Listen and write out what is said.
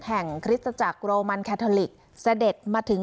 คริสตจักรโรมันแคทอลิกเสด็จมาถึง